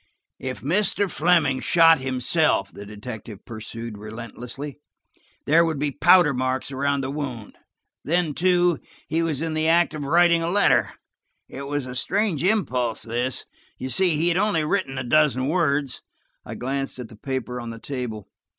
"If Mr. Fleming shot himself," the detective pursued relentlessly, "there would be powder marks around the wound. Then, too, he was in the act of writing a letter. It was a strange impulse, this–you see, he had only written a dozen words." I glanced at the paper on the table.